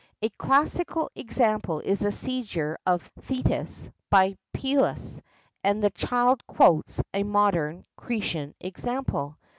A classical example is the seizure of Thetis by Peleus, and Child quotes a modern Cretan example.